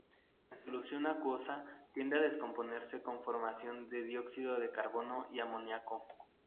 En solución acuosa tiende a descomponerse con formación de dióxido de carbono y amoníaco.